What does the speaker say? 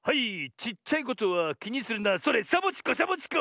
「ちっちゃいことはきにするなそれサボチコサボチコ」